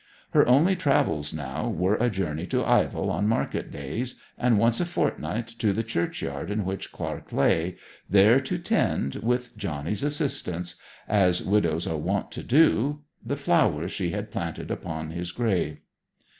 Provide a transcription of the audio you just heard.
Her only travels now were a journey to Ivell on market days, and once a fortnight to the churchyard in which Clark lay, there to tend, with Johnny's assistance, as widows are wont to do, the flowers she had planted upon his grave.